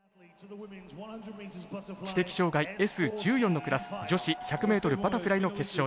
知的障がいＳ１４のクラス女子１００ｍバタフライの決勝。